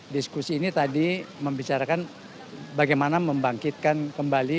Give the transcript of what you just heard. diskusi ini tadi membicarakan bagaimana membangkitkan kembali